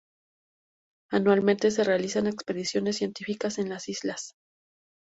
Anualmente se realizan expediciones científicas en las islas.